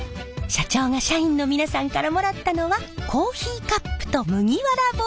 社長が社員の皆さんからもらったのはコーヒーカップと麦わら帽子。